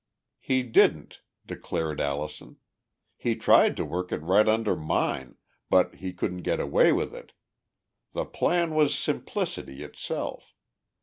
"He didn't," declared Allison. "He tried to work it right under mine, but he couldn't get away with it. The plan was simplicity itself.